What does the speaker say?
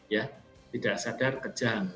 ya tidak sadar kejang